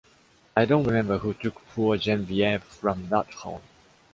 I don’t remember who took poor Geneviève from that hole.